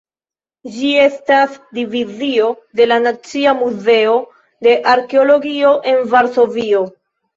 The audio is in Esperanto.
Ĝi estas divizio de la Nacia Muzeo de Arkeologio en Varsovio.